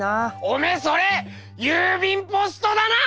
おめえそれ郵便ポストだな！